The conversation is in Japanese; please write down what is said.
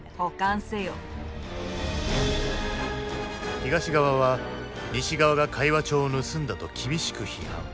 東側は西側が会話帳を盗んだと厳しく批判。